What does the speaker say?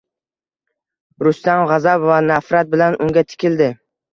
Rustam g`azab va nafrat bilan unga tikildi